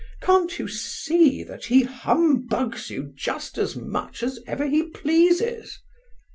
Can't you see that he humbugs you just as much as ever he pleases?"